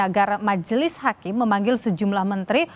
agar majelis hakim memanggil sejumlah menteri